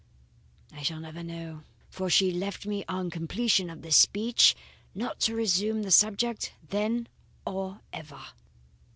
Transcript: I shall never know, for she left me on completion of this speech, not to resume the subject, then or ever.